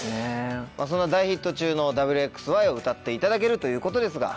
そんな大ヒット中の『Ｗ／Ｘ／Ｙ』を歌っていただけるということですが。